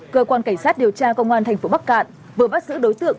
cơ quan cảnh sát điều tra công an thành phố bắc cạn vừa bắt giữ đối tượng